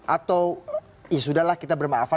atau ya sudah lah kita bermaaf